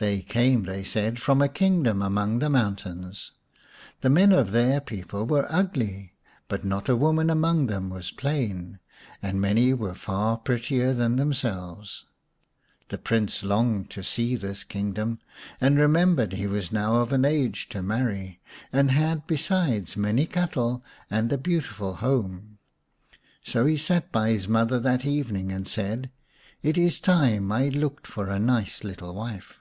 They came, they said, from a kingdom among the mountains. The men of their people were ugly, but not a woman among them was plain, and many were far prettier than themselves. The Prince longed to see this kingdom, and remembered he was now of an age to marry, and 177 N The Story of Semai mai xv had besides many cattle and a beautiful home. So he sat by his mother that evening and said, " It is time I looked for a nice little wife.